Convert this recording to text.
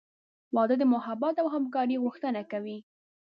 • واده د محبت او همکارۍ غوښتنه کوي.